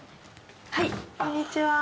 はいこんにちは。